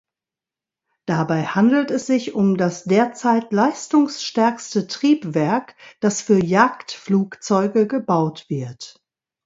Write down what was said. Dabei handelt es sich um das derzeit leistungsstärkste Triebwerk, das für Jagdflugzeuge gebaut wird.